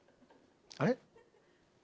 あれ？